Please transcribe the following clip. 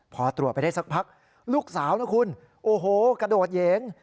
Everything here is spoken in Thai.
พอตรวจไปได้สักพักลูกสาวนะคุณโอ้โหกระโดดเหยิง